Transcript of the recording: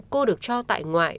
cô được cho tại ngoại